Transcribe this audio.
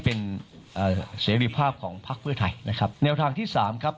เป็นเอ่อเสรีภาพของพักเพื่อไทยนะครับแนวทางที่สามครับ